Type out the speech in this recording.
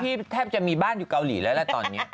แทบจะมีบ้านอยู่เกาหลีแล้วล่ะตอนนี้